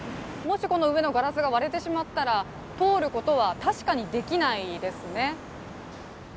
ガラスが割れてしまったら、通ることは確かにできないですね。